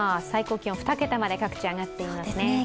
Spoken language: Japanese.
最高気温２桁まで各地上がっていますね。